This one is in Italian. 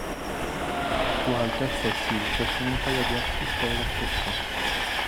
Sua Altezza e Silk sono un paio di artiste della truffa.